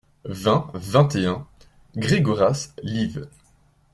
vingt, vingt et un ; Gregoras, liv.